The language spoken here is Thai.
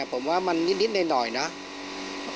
ผมว่ามันนิดหน่อยนะ